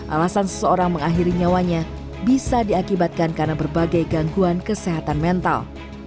alasan seseorang mengakhiri nyawanya bisa diakibatkan karena berbagai gangguan kesehatan mental